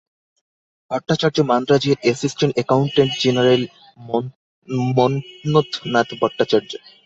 ভট্টাচার্য মান্দ্রাজের assistant accountant general Manmathanath Bhattacharya.